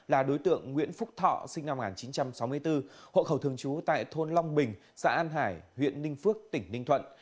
là đối tượng nguyễn phúc thọ sinh năm một nghìn chín trăm sáu mươi bốn hộ khẩu thường trú tại thôn long bình xã an hải huyện ninh phước tỉnh ninh thuận